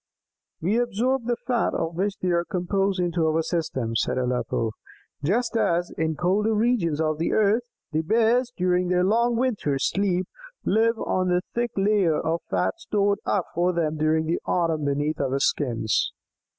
"We absorb the fat of which they are composed into our system," said Aleppo, "just as, in colder regions of the earth, the Bears, during their long winter sleep live on the thick layer of fat stored up for them during the autumn beneath their skins."